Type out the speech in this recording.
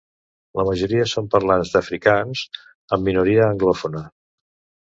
La gran majoria són parlants d'afrikaans, amb minoria anglòfona.